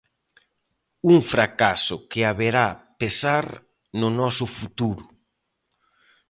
Un fracaso que haberá pesar no noso futuro.